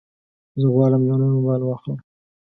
زه غواړم یو نوی موبایل واخلم.